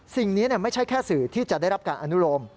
นี้ไม่ใช่แค่สื่อที่จะได้รับการอนุโลม